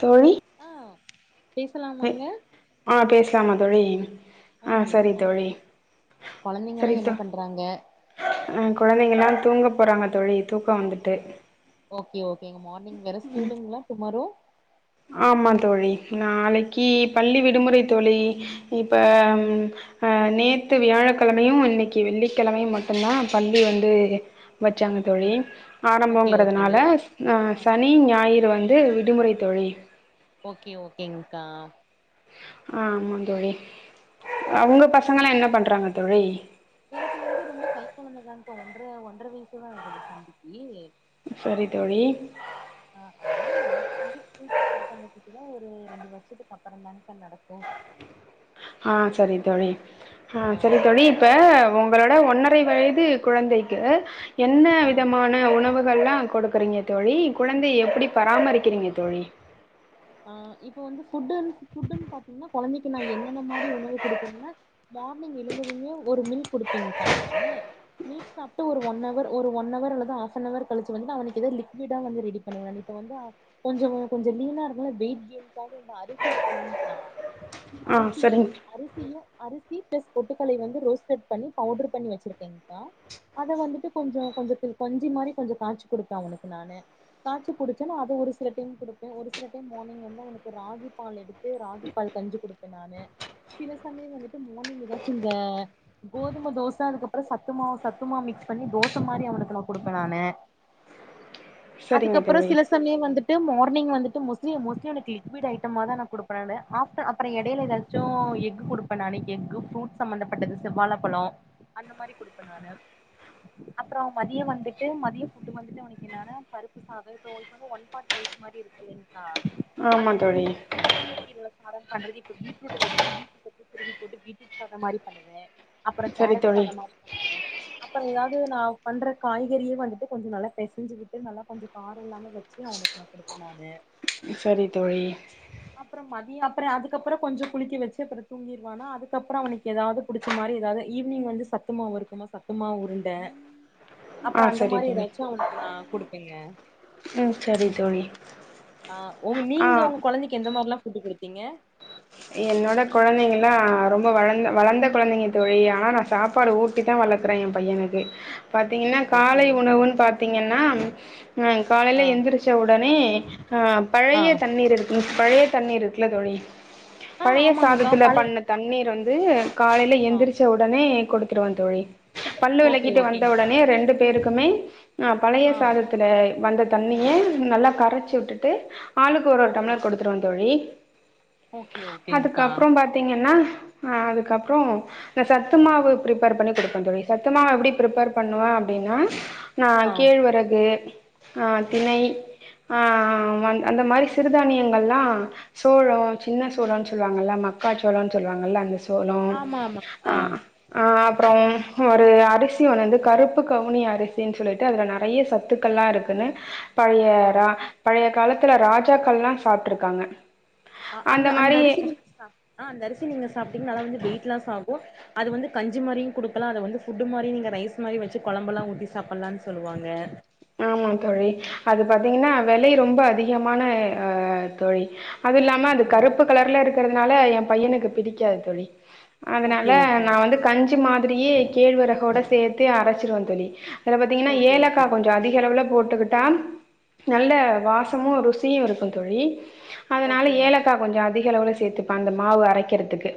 தோழி ஆ பேசலாமாங்க ஆ பேசலாமா தோழி ஆ சரி பேசலாங்க தோழி கொழந்தைங்கல்லா என்ன பண்றாங்க அ கொழந்தைங்கல்லா தூங்க போறாங்க தோழி தூக்க வந்துட்டு ஓகே ஓகேங்க மார்னிங் வேற ஸ்கூலுங்ளா டுமாரோ ஆமா தோழி நாளைக்கு பள்ளி விடுமுறை தோழி இப்ப ம் அ நேத்து வியாழக்கெழமையும் இன்னைக்கு வெள்ளிக்கெழமையும் மட்டுந்தா பள்ளி வந்து வச்சாங்க தோழி ஓகே ஓகேங்க ஆரம்போங்கிறதுனால ந ஆ சனி ஞாயிறு வந்து விடுமுறை தோழி ஓகே ஓகேங்க்கா ஆமா தோழி அ உங்க பசங்கலா என்ன பண்றாங்க தோழி எனக்கு வந்து ரொம்ப கை கொழந்ததாக்கா ஒன்ற ஒன்ற வயசுதா ஆகுது தம்பிக்கு சரி தோழி ஆ அதனால நமக்கு வந்து ஸ்கூல் ப்ரிஃபேர் பண்ணதுக்குதுக்லா ஒரு ரெண்டு வருஷத்துக்கு அப்பறந்தாங்கா நடக்கு ஆ சரி தோழி ஆ சரி தோழி இப்ப உங்களோட ஒன்னரை வயது குழந்தைக்கு என்ன ஆ விதமா ன உணவுகள்லா குடுக்குறீங்க தோழி குழந்தைய எப்டி பராமரிக்கிறீங்க தோழி ஆ இப்ப வந்து ஃபுட்டுன் ஃபுட்டுன்னு பாத்தீங்கன்னா கொழந்தைக்கு நா என்னென்ன மாரி உணவு குடுக்குறேன்னா மார்னிங் எழுந்ததுமே ஒரு மில்க் குடுப்பேங்கக்கா நானு மீட் சாப்பிட்டு ஒரு ஒன் அவர் ஒரு ஒன் அவர் அல்லது ஆஃப் அன் அவர் கழிச்சு வந்து அவனுக்கு எதா லிக்விடா வந்து ரெடி பண்ணுவன் வந்து அ கொஞ்சொ கொஞ்சொ லீனா இரு நல்லா வெயிட் கெய்ன்க்காக இந்த அரிசி இருக்கு இல்லைங்க்கா ஆ அரிசியு சரிங் அரிசியு அரிசி பிளஸ் பொட்டுக்கலைய வந்து ரோஸ்டட் பண்ணி பவுடர் பண்ணி வச்சிருக்கேங்கா அத வந்துட்டு கொஞ்சொ கொஞ்சொ கஞ்சி மாரி கொஞ்சொ காச்சி குடுப்பே அவனுக்கு நானு காச்சி குடிச்சன்னா அது ஒரு சில டைம் குடுப்ப ஒரு சில டைம் மார்னிங் வந்து அவனுக்கு ராகி பால் எடுத்து ராகி பால் கஞ்சு குடுப்பே நானு சில சமயொ வந்துட்டு மார்னிங் எதாச்சு இந்த கோதுமை தோச அதுக்கப்பற சத்துமாவ் சத்துமாவ் மிக்ஸ் பண்ணி தோச மாரி அவனுக்கு நா குடுப்ப நானு சரிங்க அதுக்கப்ற தோழி சில சமய வந்துட்டு மார்னிங் வந்துட்டு மோஸ்லி மோஸ்லி அவனுக்கு லிக்விட் ஐட்டமாதா நா குடுப்ப நானு ஆப்ட் அப்பற எடையில எதாச்சும எக்கு குடுப் ப்ப நானு எக்கு ஃப்ரூட் சம்பந்தப்பட்டது செவ்வாழ பழ அந்த மாரி குடுப்ப நானு அப்ற மதிய வந்துட்டு மதியம் ஃபுட்டு் வந்துட்டு அவனுக்கு என்னனா பருப்பு சாத இப்ப உங்களுக் வந்து ஒன் பாட் ரைஸ் மாரி இருக்குல்லைங்களா ஆமா அந்த தோழி முருங்கை முருங்கக்கீரல சாதம் பண்றது இப்ப பீட்ரூட் வச்சு பீட்ரூட் வச்சு துருவி போட்டு பீட்ரூட் சாத மாரி பண்ணுவே அப்ற சரி கேரட் தோழி சாத மாரி பண்ணுவே அப்ற எதாவது நா பண்ற காய்கறியே வந்துட்டு கொஞ்சோ நல்லா பெசஞ்சு விட்டு நல்லா கொஞ்சோ கார இல்லாம வச்சு அவ நெஸ்ட் நா குடுப்ப நானு சரி தோழி அப்ற மதிய அப்ற அதுக்கப்பற கொஞ்சோ குளிக்க வச்சு அப்ற தூங்கிருவானா அதுக்கப்பற அவன எதாவது புடிச்ச மாரி எதாவது ஈவினிங் வந்து சத்துமாவ் இருக்குமா சத்துமாவ் உருண்ட ஆ அப்பற அந்த சரி மாரி தோழி எதாச்சு அவனுக்கு நா குடுப்பேங்க ம் சரி தோழி ஆ உங்க ஆ நீங்க உங்க கொழந்தைக்கு எந்த மாரில்லா ஃபுட்டு குடுத்தீங்கா என்னோட கொழந்தைங்கலா ரொம்ப வளர்ந்த வளர்ந்த கொழந்தைங்க தோழி ஆனா நா சாப்பாடு ஊட் டித்தா வளக்குற என் பையனுக்கு பாத்தீங்கன்னா ஓகே காலை ஓகே உணவுன் பாத்தீங்கன்னா ஆ காலைல ஆ எந்திரிச்ச உடனே ஆ ஆ பழைய தண்ணீர் இருக்கு பழைய தண்ணீர் இருக்குல்ல தோழி ஆ பழைய ஆமாங்கா சாதத்தில பழைய பண்ண தண்ணீர் வந்து காலைல ஆ எந்திரிச்ச உடனே குடுத்துருவ தோழி பல்லு ஓகே விளகிட்டு வந்த ஓகேங்க்கா உடனே ரெண்டு பேருக்குமே அ பழைய ஆ சாதத்துல வந்த தண்ணிய நல்லா கரைச்சு விட்டுட்டு ஆளுக்கு ஒரு ஒரு ஓகே டம்ளர் குடுத்துருவ தோழி ஓகே ஓ அதுக்கப்பற பாத்தீங்கன்னா அ அதுக்கப்றோ சத்து மாவு பிரிப்பேர் பண்ணி குடுப்பே தோழி சத்து மாவு எப்டி பிரிப்பர் பண்ணுவே அப்டின்னா நா ஆ கேழ்வரகு ஆ திணை ஆ அந்த மாதிரி சிறுதானியங்கள்லா சோளோ சின்ன சோளன் சொல்லுவாங்கல்ல மக்கா சோள சொல்வாங்கல்ல அந்த சோளம் ஆமா ஆமா அ ஆ அ அப்பறம் ஒரு அரிசி ஒன்னு கருப்பு கவுனி அரிசின்னு சொல்லிட்டு அதுல நெறைய சத்துக்கள்லா இருக்குன்னு ஆ பழையரா பழைய காலத்துல ராஜாக்கள்ல்லா சாப்பிட்ருக்காங்க அ அந்த அந்த அரிசி நீங்க சா அந்த அரிசி நீங்க சாப்ட்டீங்கன்னா நல்லா வந்து வெயிட் லாஸ் ஆகு அது வந்து கஞ்சி மாரியு குடுக்கலா அத வந்து ஃபுட்டு மாரியு நீங்க ரைஸ் மாரி வச்சு கொழம்பெல்லா ஊத்தி சாப்ட்லான் சொல்லுவாங்க ஆமா தோழி அது பாத்தீங்கன்னா விலை ரொம்ப அதிகமான அ தோழி அது இல்லாம அது அதா அதா கருப்பு கலர்ல இருக்கிறதுனால என் பையனுக்கு பிடிக்காது தோழி அதுனால ஓகே நா ஓகேங்க்கா வந்து கஞ் சி மாதிரியே கேழ்வரஹோட சேத்தே அரச்சிருவே தோழி அதுல பாத்தீங்கன்னா ஓகே ஏலக்கா ஓகேங்க்கா கலவுல போட்டுக்கிட்டா நல்ல வாசமு ருசியு இருக்கு தோழி அதனால ஓகே ஏலக்காய் ஓகேங்க்கா கொஞ்சோ அதிக அளவு சேர்த்துப்பே அந்த மாவு அரைக்கிறதுக்கு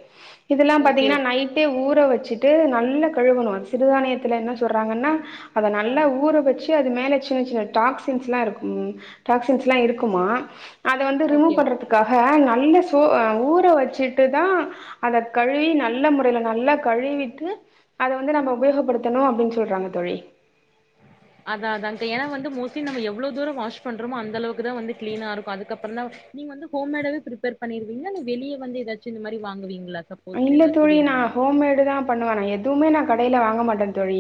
இதெல்லா ஓகே பாத்தீங்கன்னா நைட் டே ஊற வச்சுட்டு நல்லா கழுவனு சிறுதானியத்துல என்ன சொல்றாங்கன்னா அத ஆ நல்லா ஊற வச்சு அது மேல சின்ன சின்ன டாக்சின்ஸ்ல்லா இருக் டாக்சின்ஸ்ல்லா இருக்குமா அத வந்து ஓகே ரிமூவ் ஓகேங்க பண்ணுறதுக்காக நல்லா சோ ஊற வச்சுட்டுதா அத கழுவி நல்ல முறையில நல்லா கழுவிட்டு அத வந்து நம்ம உபயோகபடுத்தணு அப்டின் சொல்றாங்க தோழி அதா அதா தே னா வந்து மோஸ்டலி நம்ம எவ்ளோ தூர வாஷ் பண்றமோ அந்தளவுக்கு தா வந்து கிளினா இருக்கு அதுக்கப்பறதா நீங் வந்து ஹோம்மேடாவே ப்ரிப்பேர் பண்ணிருவீங்ளா இல்ல வெளிய வந்து எதாச்சி இந்த மாரி வாங்குவீங்ளா ச இல்ல தோழி நா ஹோம்மேடு தா பண்ணுவே நா எதுமே நா கடைல வாங்க மாட்டே தோழி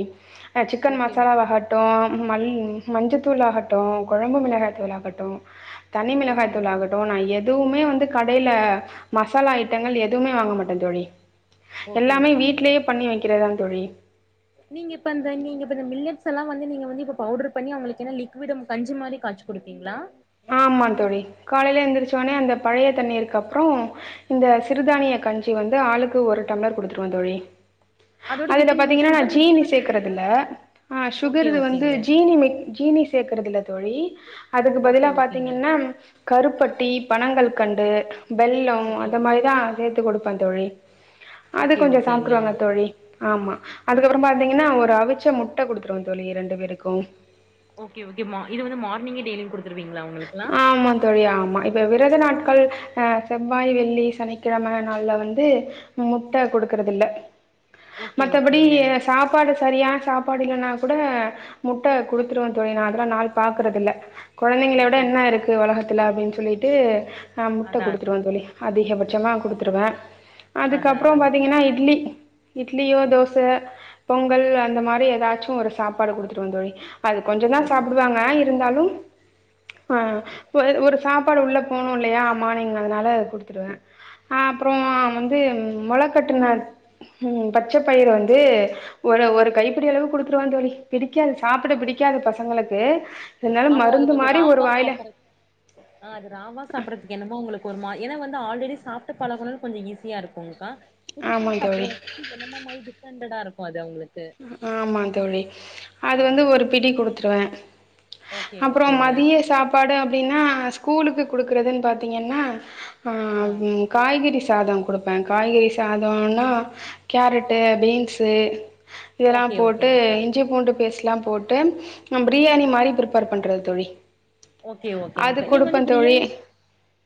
சிக்கன் ஓகே ஓகே மசாலாவாகட் ட்டு மல் ம் மஞ்சத்தூள் ஆகட்டு, கொழம்பு மிளகாய் தூள் ஆகட்டு தனி மிளகாய் ஓகே தூள் ஓகே ஆகட்டு நா எதுவுமே வந்து கடைல மசாலா ஐட்டங்கள் எதுமே வாங்க மாட் டே தோழி ஓகே எல்லாமே ஓகேங்க வீட்லயே பண்ணி வெக்கிறத் தா தோழி நீங்க இப்ப அந்த நீங்க ப்ப இந்த மில்லட்ஸ் எல்லா நீங்க வந்து இப்ப பவுட்ரு பண்ணி அவுங்களுக்கு என்ன லிக்விடும் கஞ்சி மாரி காச்சி குடுப்பீங்ளா ஆமா தோழி காலைல எந்திரிச்ச உட்னே அந்த பழைய தண்ணீர்க்கப்றோ இந்த சிறுதானிய கஞ்சி வந்து ஆளுக்கு ஒரு டம்ளர் குடுத்துருவே தோழி அதோட அதுல வித் நீங்க பாத்தீங்கனா நா சுகர் மிக்ஸ் சீனி பண்ணுவீங்களா சேக்கறதில்ல ஆ ஓகே சுகருகு வந்து ஓகேங்க ஜீனி மே ஜீனி சேக்கறதில்ல தோழி அதுக்கு ஓகே பதிலா ஓகேங்க பாத்தீங்கன்னா கருப்பட்டி, பனங்கல்கண்டு, வெல்லோ ஓகே அந்த மா ரி தா சேத்து குடுப்பே தோழி அது ஓகே கொஞ்சோ ஓகேங்க சாப்ட்ருவாங்க தோழி ஆமா அதுக்கப்றோ ஓகே பா த்தீங்கனா ஒரு அவிச்ச முட்ட குடுத்துருவே தோழி ரெண்டு பேருக்கு ஓகே ஓகே மா இது வந்து மார்னிங்கே டெய்லியு குடுத்துருவீங்ளா அவுங்களுக்குல்லா ஆமா தோழி ஆமா இப்ப விரத நாட்கள் அ செவ்வாய், வெள்ளி, சனிக்கிழம நாள்ல வந்து முட்ட குடுக்கறதில்ல ஓகே மத்தபடி ஓகேங்க எ சாப்பாடு சரியான் சாப்பாடு இல்லன்னா கூட முட்ட குடுத்துருவே தோழி நா அதெல்லா நாள் பாக்கறதில்ல கொழந்தைங் விட ஓகே என்ன இருக்கு ஒலகத்துல அப்டின் சொல்லிட்டு ஆ முட்ட அதா அதா குடுத்துருவே தோழி அதிகபட்சமா குடுத்துருவே அதா அதுக்கப்றோ அதாங்க பாத்தீங்கன்னா இட்லி இட்லியோ தோச, பொங்கல் அந்த மாரி எதாச்சு ஒரு சாப்பாடு குடுத்துருவே தோழி அது கொஞ்ச தா ஓகே சாப்புடுவாங்க இருந்தாலு ஆ ஓ ஒரு சாப்பாடு உள்ள போணு இல்லையா மார்னிங் அதுனால குடுத்துருவே ஆ அப்றோ வந்து மொளக்கட்டுன ம் பச்ச பயிறு வந்து ஒரு ஒரு கைப்பிடி அளவு குடுத்துருவே தோழி பிடிக்காது சாப்பிட பிடிக்காது பசங்களுக்கு சில் நேரோ ஆமா அது மருந்து கொஞ்சோ மாரி ஒரு ராவா வாயில் சாப்பறது ஆ அது ராவா சாப்ட்றத்துக்கு என்னமோ அவங்களுக்கு ஒரு மா ஏனா வந்து ஆல்ரெடி சாப்ட்டு பழகுனவ்ங் கொஞ்ச ஈஸியா இருக்குங்க்கா புதுசா ஆமாம் தோழி சாப்புட்றவங்க்கு என்னம்மோ மாரி டிஃப்ரெண்ட்டா தா இருக்கு அது அவுங்ளுக் ஆ ஆமா தோழி அது ஆ வந்து ஒரு பிடி குடுத்துருவே ஓகே அப்றோ ஓகேங்க மதிய சாப் பாடு அப்டின்னா ஸ்கூலுக்கு குடுக்கறதுன் பாத்தீங்கன்னா ஆ ம் காய்கறி சாதம் குடுப்பே காய்கறி சாதோன்னா கேரட்டூ, பீன்ஸு இதல்லா ஓகே போட்டு ஓகேங்க்கா இஞ்சி, பூண்டு பேஸ்ட்லா போட்டு ம் ப்ரியாணி மாரி ப்ரிப்பேர் பண்றது தோழி ஓகே அது ஓகேங்க்கா நீங்க குடுப்பே வந்து தோழி ப்ரியாணி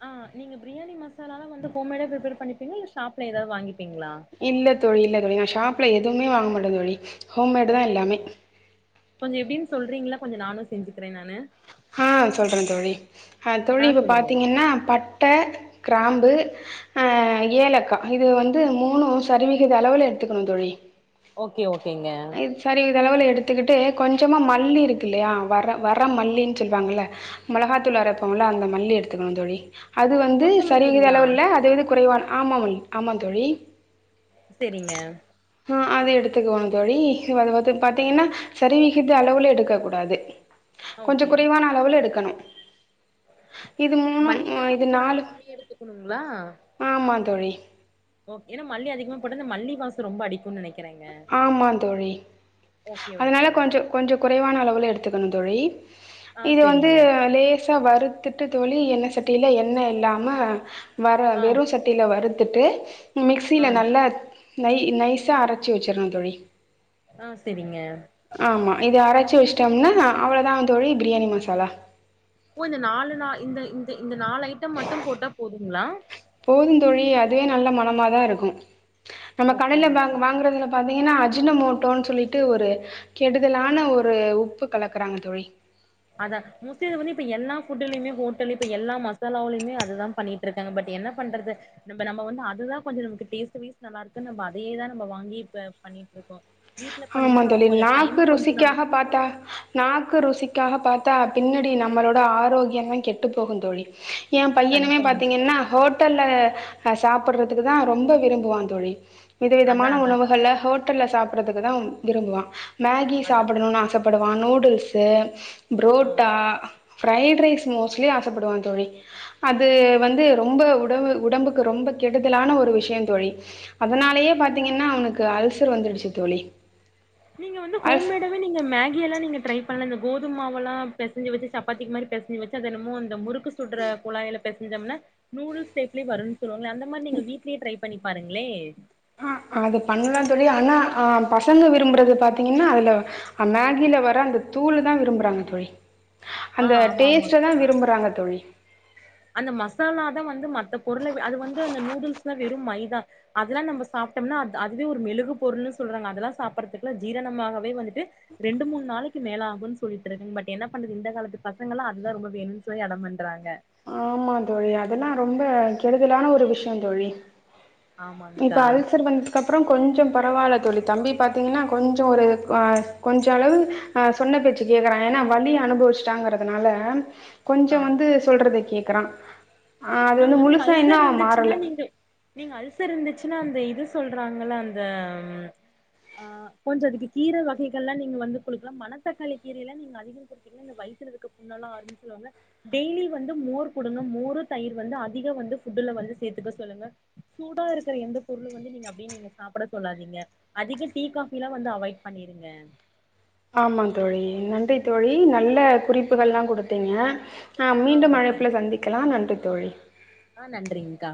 ஆ நீங்க ப்ரியாணி மசாலாலா வந்து ஹோம் மேடா ப்ரிப்பேர் பண்ணிப்பீங்ளா இல்ல ஷாப்ல எதாது வாங்கிப்பீங்ளா இல்ல தோழி இல்ல தோழி நா ஷாப்ல எதுமே வாங்க மாட்டே தோழி ஹோம்மேடு தா ஓகே எல்லாமே ஓகே கொஞ்சோ எப்டின் சொல்றீங்ளா கொஞ்ச நானு செஞ்சிக்கிறே நானு ஆ சொல்ற தோழி அ ஆ தோழி இப்ப சொல்லுங்க பாத்தீங்கன்னா பட்ட கிராம்பு ஆ ஏலக்கா இது வந்து மூணு சரிவிகித அளவுல எட்த்துக்கணு தோழி ஓகே ஓகேங்க சரிவிகித அளவுல எடுத்துக்கிட்டு கொஞ்சமா மல்லி இருக்கில்லயா வர வர மல்லி வெச்சுருப்பாங்கள மொளகாத்தூள் அரப்போல அந்த மல்லி எடுத்துக்கணு தோழி அது ஆ வந்து சரிவிகித கொத்தமல்லிங்களா அளவுல்ல அதவிட குறைவா ஆமமோ ஆமா தோழி செரிங்க ம் அது எடுத்துக்குவ தோழி இது வது பாத்தீங்கன்னா சரிவிகித அளவுல எடுக்க கூடாது ஓகே ஆன அளவுல எடுக்கணு மல்லி வந்து இது கொஞ்ச நம்ம நாலு கம்மியா எடுத்துக்கணுங்ளா ஆமா தோழி ஓக் ஏனா மல்லி அதிகமா போட்டா இந்த மல்லி வாச ரொம்ப அடிக்கு நெனைக் ஆமாந்தோழி ஓகே அதனால ஓகேங்க கொஞ்சொ கொஞ்ச குறைவான அளவுல எடுத்துக்கணு தோழி ஆ இது வந்து செரிங்க லேஸ் சா வருத்துட்டு தோழி எண்ண சட்டியில எண்ண இல்லாம வர ஆ வெறு சட் ட்டில வறுத்துட்டு ஆ மிக்சீல நல்லா நை நைசா அரச்சு வச்சிருணு தோழி ஆ செரிங்க ஆமா இத அரச்சு வச்ட்டோம்னா அவ்ளோதாங்க தோழி பிரியாணி மசாலா ஓ இந்த நாலு நா இந்த இந்த நாலு ஐட்ட மட்டு போட்டா போதுங்ளா போதுந்தோழி அதுவே நல்ல மனமாதா இருக்கு நம்ம ஓகே கடையில வ ஓகே வாங்குறதுல பாத்தீங்கனா அஜினமோட்டோன் சொல்லிட்டு ஒரு கெடுதலான ஒரு உப்பு கலக்றாங்க தோழி அதா மோஸிட்லி வந்து இப்ப எல்லா ஃபுட்லயுமே ஹோட்டலு இப்ப எல்லா மசாலாவலமே அதுதா பண்ணிட் ட்ருக்காங்க பட் என்ன பண்றது நம்ப நம்ம வந்து அதுதா கொஞ்ச நமக்கு டேஸ்ட் வைஸ் நல்லா இருக்கு நம்ம அதேயேதா நம்ப வாங்கி இப்ப பண்ணிட் இருக்கோ வீட்ல ஆமா பண்ணோம்னா தோழி நமக்கு கொஞ்சோ டைம் நாக்கு கொஞ்சோ ருசிக்காக நமக்கு பாத்தா நாக்கு ருசிக்காக பாத்தா பின்னடி நம்பளோட ஆரோக்கிய தா கெட்டுப்போகு தோழி ஏ பையனுமே கன்ஃபார்ம் பாத்தீங்கனா ஹோட் ஹோட்டல்ல சாப்பிடுறதுக்கு தா ரொம்ப விரும்புவா தோழி அதா விதவிதமான அதாங்க உணவுகள ஹோட் ஹோட்டல சாப்றதுக்குதா விரும்புவா மேகி அதா சாப்டணுனு ஆசப்படுவா நூடுல்ஸு ஆ புரோட்டா ஃப்ரைட் ரைஸ் மோஸ்ட்லி ஆசப்படுவா தோழி அது வந்து ரொம்ப உடபு உடம்புக் ரொம்ப கெடுதலான ஒரு விஷய தோழி அதனாலேயே பாத்தீங்கன்னா அவனுக்கு அல்சர் வந்துடுச்சு தோழி நீங்க வந்து அஸ் ஹோம்மேடா நீங்க மேகி எல்லா நீங்க ட்ரை பண்லா இந்த கோதும மாவலா பெசஞ்சு வச்சு சப்பாத்தி மாரி பெசஞ்சு வச்சு அத என்னமோ அந்த முறுக்குஸ் சுடுற குழாயில பேசஞ்சம்னா நூடுல்ஸ் சேப்ல வரு சொல்லுவாங்கல அந்த மாரி நீங்க வீட்லயே ட்ரை பண்ணி பாருங்ளே ஆ அது பண்லா தோழி ஆனா ஆ பசங்க விரும்புறது பாத்தீங்கனா அதுல அன் மேகில வர அந்த தூள் தா விரும்புறாங்க தோழி ஆ அந்த ஆமா டேஸ்ட்ட தா ஆமாங்க்கா விரும்புறாங்க தோழி அந்த மசாலா தா வந்து மத்த பொருள அது வந்து அந்த நூடுல்ஸ்லா வெறு மைதா அதெல்லா நம்ம சாப்டம்னா அத் அதுவே ஒரு மெழுகு பொருள்னு சொல்றாங்க அதெல்லா சாப்பிறதுக்குல்லா ஜிரணமாகவே வந்துட்டு ரெண்டு மூணு நாளைக்கு மேல ஆகுன் சொல்லிட்டு இருக்குங்க பட் என்ன பண்றது இந்த காலத்து பசங்கல்லா அதுதா ரொம்ப வேணுனு சொல்லி அடம் பண்றாங்க ஆமா தோழி அதெல்லா ரொம்ப கெடுதலான ஒரு விஷய தோழி இப்ப ஆமாங்க்கா அல்சர் வந்து அதுக் அப்புற கொஞ்ச பரவால்ல தோழி தம்பி பாத்தீங்கன்னா கொஞ்சம் ஒரு ஆ கொஞ்ச அளவு ஆ சொன்ன பேச்சு கேக்குறா ஏன்னா வழி அனுபவிச்சிட்டாங்கறதுனால கொஞ்சோ ஆ வந்து சொல்றத கேக்கறா ஆ அது நீங்க வந்து இந்த முழுசா இன்னு அல்சர் அவ இருந்துச்சுன்னா மாறல நீங்க நீங்க அல்சர் இருந்துச்சுன்னா அந்த இது சொல்றாங்கல்ல அந்த ஆ கொஞ்சோ அதுக்கு கீர வகைகள்லா நீங்க வந்து குடுக்கலா மனத்தக்காளி கீரைலா நீங்க அதிகோ குடுத்து இந்த வயித்துல இருக்க புண்ணல்லா ஆறுன் சொல்லுவாங்க டெய்லி வந்து மோர் குடுங்க மோரு தயிர் வந்து அதிகோ வந்து புட்டு்ல வந்து சேத்துக்க சொல்லுங்க சூடா இருக்கற எந்த பொருளு வந்து நீங்க அப்டியே நீங்க சாப்பட சொல்லாதீங்க அதிக டீ காபிலா வந்து அவாய்ட் பண்ணிருங்க ஆமா தோழி நன்றி தோழி நல்ல குறிப்புகள்லா குடுத்தீங்க ஆ மீண்டும் அழைப்புல சந்திக்கலா நன்றி தோழி ஆ நன்றிங்க்கா